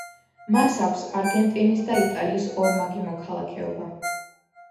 მას აქვს არგენტინის და იტალიის ორმაგი მოქალაქეობა.